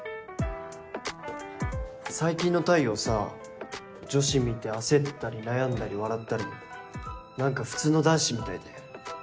最近の太陽さ女子見て焦ったり悩んだり笑ったり何か普通の男子みたいで。